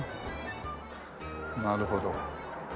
なるほど。